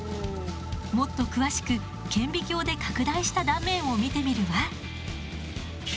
もっと詳しく顕微鏡で拡大した断面を見てみるわ。